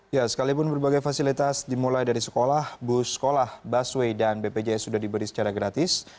ya sekalipun berbagai fasilitas dimulai dari sekolah bus sekolah busway dan bpjs sudah diberi secara gratis